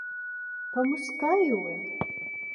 په موسکا یې وویل.